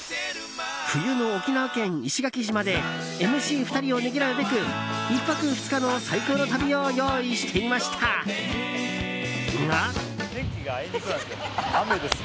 冬の沖縄県石垣島でＭＣ２人をねぎらうべく１泊２日の最高の旅を用意していましたが。